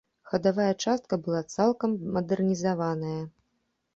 Хадавая частка была цалкам мадэрнізаваная.